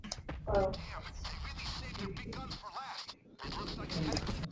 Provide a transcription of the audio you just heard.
La escuela sirve a la zona de Clear Lake City.